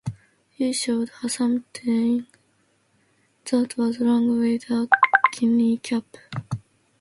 He showed her something that was wrong with a knee-cap.